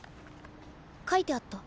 書いてあった。